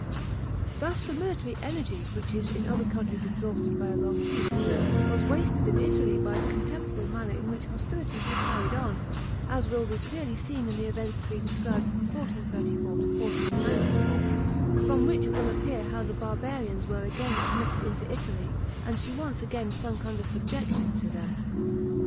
Thus the military energy which is in other countries exhausted by a long peace, was wasted in Italy by the contemptible manner in which hostilities were carried on, as will be clearly seen in the events to be described from 1434 to 1494, from which it will appear how the barbarians were again admitted into Italy, and she again sunk under subjection to them.